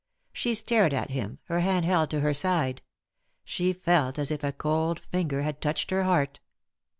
She stared at him, her hand held to her side ; she felt as if a cold finger had touched her heart.